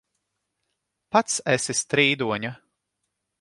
Pats esi strīdoņa!